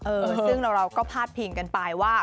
เออซึ่งแล้วเราก็พาดผิงกันไปว่า